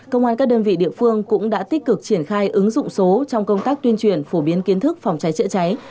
công an các đơn vị địa phương cũng đã tích cực triển khai ứng dụng số trong công tác tuyên truyền phổ biến kiến thức phòng cháy chữa cháy